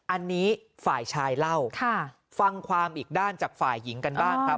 อันนี้ฝ่ายชายเล่าฟังความอีกด้านจากฝ่ายหญิงกันบ้างครับ